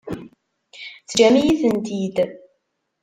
Teǧǧam-iyi-tent-id?